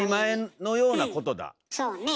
そうねえ。